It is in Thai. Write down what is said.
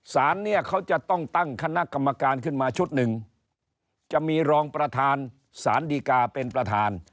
สารเนี่ยเขาจะต้องตั้งคณะกรรมการขึ้นมาชุดหนึ่งจะมีรองประธานสารดีกาเป็นประธาน